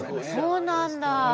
そうなんだ。